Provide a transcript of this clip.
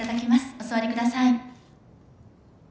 お座りください